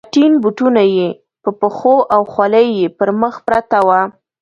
خټین بوټونه یې په پښو او خولۍ یې پر مخ پرته وه.